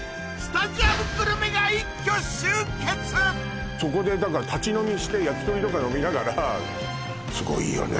さらにそこでだから立ち飲みして焼き鳥とか飲みながらすごいいいよね